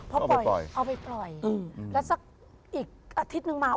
เอาไปปล่อยอืมแล้วสักอีกอาทิตย์นึงมา